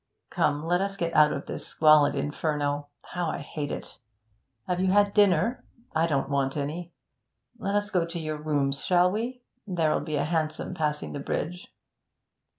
Come, let us get out of this squalid inferno; how I hate it! Have you had dinner? I don't want any. Let us go to your rooms, shall we? There'll be a hansom passing the bridge.'